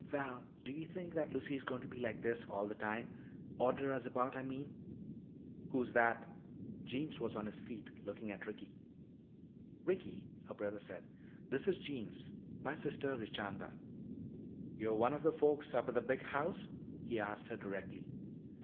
Val, do you think that Lucy is going to be like this all the time order us about, I mean?" "Who's that?" Jeems was on his feet looking at Ricky. "Ricky," her brother said, "this is Jeems. My sister Richanda." "Yo' one of the folks up at the big house?" he asked her directly.